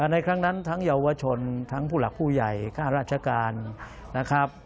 ในครั้งนั้นทั้งเยาวชนทั้งผู้หลักผู้ใหญ่ค่าราชการนะครับ